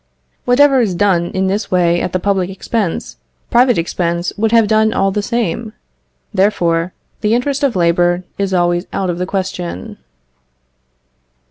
Whatever is done in this way at the public expense, private expense would have done all the same; therefore, the interest of labour is always out of the question.